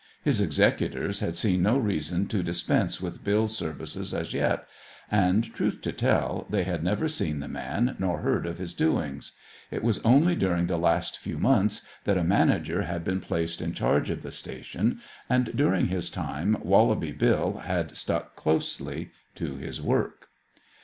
His executors had seen no reason to dispense with Bill's services as yet; and, truth to tell, they had never seen the man, nor heard of his doings. It was only during the last few months that a manager had been placed in charge of the station, and during his time Wallaby Bill had stuck closely to his work.